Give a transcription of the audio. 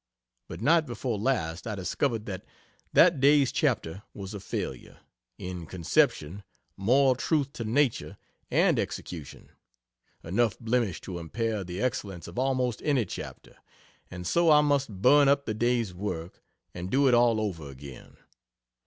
But night before last I discovered that that day's chapter was a failure, in conception, moral truth to nature, and execution enough blemish to impair the excellence of almost any chapter and so I must burn up the day's work and do it all over again.